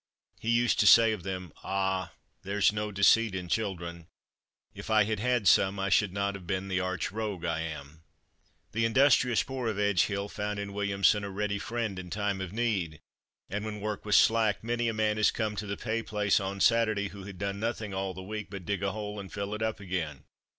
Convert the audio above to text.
He used to say of them, "Ah, there's no deceit in children. If I had had some, I should not have been the arch rogue I am.". The industrious poor of Edge hill found in Williamson a ready friend in time of need, and when work was slack many a man has come to the pay place on Saturday, who had done nothing all the week but dig a hole and fill it up again.